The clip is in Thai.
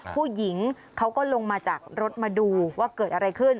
ผู้หญิงเขาก็ลงมาจากรถมาดูว่าเกิดอะไรขึ้น